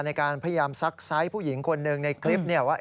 ในการพยายามซักไซส์ผู้หญิงคนหนึ่งในคลิปว่า